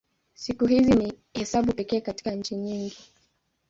Siku hizi ni hesabu pekee katika nchi nyingi.